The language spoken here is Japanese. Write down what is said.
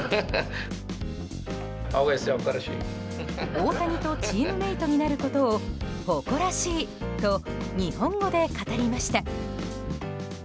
大谷とチームメートになることを誇らしいと日本語で語りました。